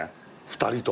２人と。